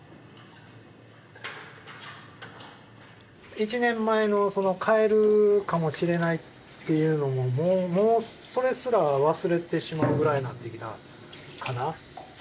１年前の帰るかもしれないっていうのももうそれすら忘れてしまうぐらいなってきたかな。